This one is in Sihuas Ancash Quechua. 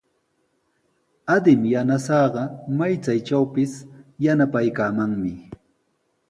Adin yanasaaqa may chaytrawpis yanapaykamanmi.